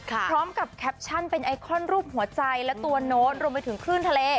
แคปชั่นเป็นไอคอนรูปหัวใจและตัวโน้ตรวมไปถึงคลื่นทะเล